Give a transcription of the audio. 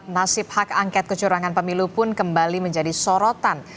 nasib hak angket kecurangan pemilu pun kembali menjadi sorotan